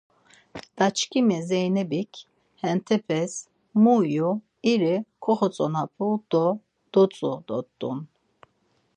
Daçkimi Zeynebik, hentepes mu ivu iri koxotzonapu do dutzu dort̆un.